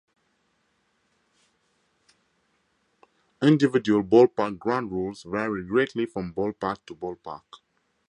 Individual ballpark ground rules vary greatly from ballpark to ballpark.